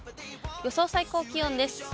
予想最高気温です。